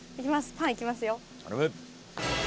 パンいきますよ。